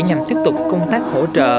nhằm tiếp tục công tác hỗ trợ